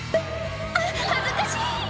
「あっ恥ずかしい！」